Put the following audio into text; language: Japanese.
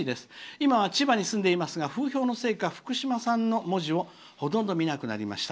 今は千葉に住んでいますが風評のせいか、福島産の文字をほとんど見なくなりました。